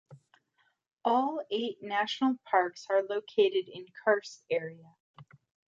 All eight national parks are located in karst area.